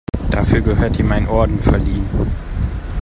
Dafür gehört ihm ein Orden verliehen.